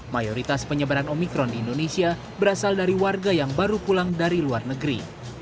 mayoritas penyebaran omikron di indonesia berasal dari warga yang baru pulang dari luar negeri